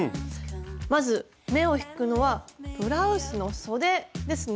まず目を引くのはブラウスの「そで」ですね。